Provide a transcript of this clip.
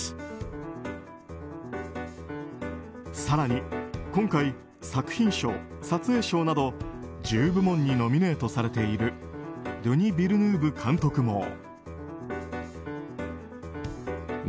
更に今回、作品賞、撮影賞など１０部門にノミネートされているドゥニ・ヴィルヌーヴ監督も。